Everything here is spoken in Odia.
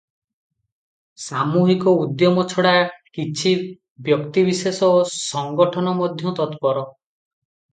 ସାମୁହିକ ଉଦ୍ୟମ ଛଡ଼ା କିଛି ବ୍ୟକ୍ତିବିଶେଷ ଓ ସଙ୍ଗଠନ ମଧ୍ୟ ତତ୍ପର ।